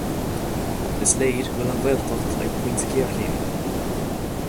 Is léir go bhfuil an Ghaeltacht ag pointe géarchéime.